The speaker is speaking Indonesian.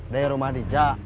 dari rumah dija